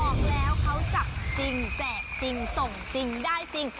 บอกแล้วเขาจับจริงแจกจริงส่งจริงได้จริง